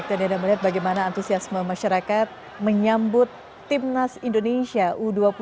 rektornya dan melihat bagaimana antusiasme masyarakat menyambut timnas indonesia u dua puluh dua